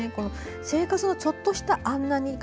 生活のちょっとした「あんなに」が